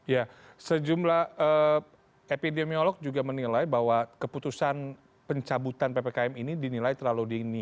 ya sejumlah epidemiolog juga menilai bahwa keputusan pencabutan ppkm ini dinilai terlalu dini